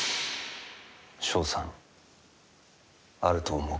勝算あると思うか？